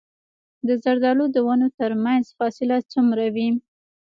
د زردالو د ونو ترمنځ فاصله څومره وي؟